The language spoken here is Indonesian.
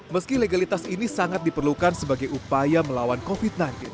meski legalitas ini sangat diperlukan sebagai upaya melawan covid sembilan belas